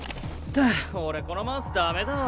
俺このマウス駄目だわ。